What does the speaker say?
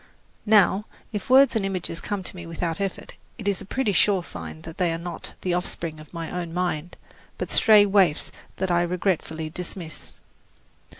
Now, if words and images come to me without effort, it is a pretty sure sign that they are not the offspring of my own mind, but stray waifs that I regretfully dismiss.